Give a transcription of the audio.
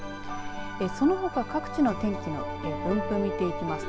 そのほか各地の天気の分布見ていきますと